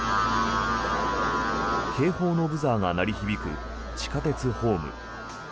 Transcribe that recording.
警報のブザーが鳴り響く地下鉄ホーム。